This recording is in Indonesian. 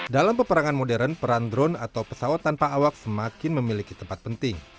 dalam peperangan modern peran drone atau pesawat tanpa awak semakin memiliki tempat penting